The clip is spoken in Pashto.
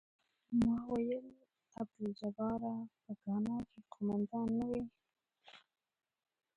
ما ویل عبدالجباره په ګانا کې قوماندان نه وې.